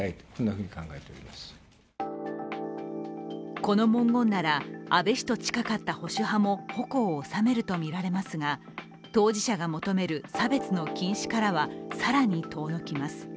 この文言なら、安倍氏と近かった保守派も矛を収めるとみられますが当事者が求める差別の禁止からは更に遠のきます。